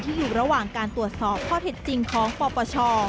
อยู่ระหว่างการตรวจสอบข้อเท็จจริงของปปช